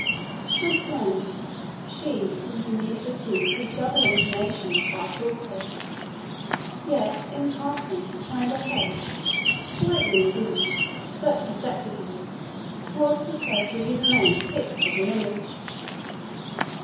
At length she from whom he had received this double intimation passed also; yet, in passing, turned her head, slightly indeed, but perceptibly, towards the place where he remained fixed as an image.